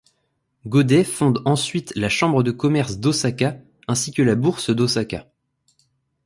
Godai fonde ensuite la chambre de commerce d'Osaka ainsi que la bourse d'Osaka.